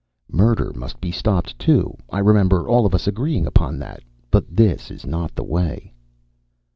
"Murder must be stopped, too. I remember all of us agreeing upon that. But this is not the way!"